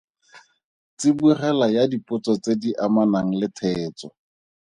Tsibogela ya dipotso tse di amanang le theetso.